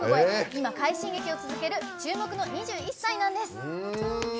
今、快進撃を続ける注目の２１歳なんです。